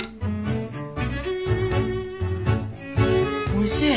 おいしい。